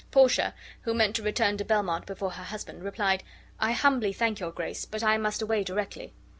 Portia, who meant to return to Belmont before her husband, replied, "I humbly thank your Grace, but I must away directly."